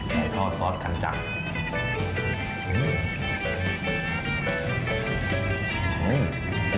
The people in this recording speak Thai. ไก่ทอดซอสขันจัง